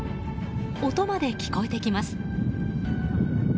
音まで聞こえてきます。